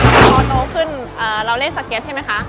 พอโตขึ้นเราเล่นสเก็ตใช่ไหมคะ